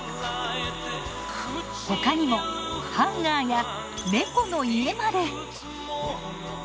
他にもハンガーや猫の家まで。